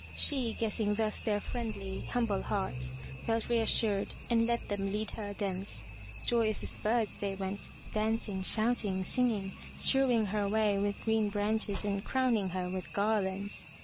She, guessing thus their friendly, humble hearts, felt reassured and let them lead her thence. Joyous as birds they went, dancing, shouting, singing, strewing her way with green branches and crowning her with garlands.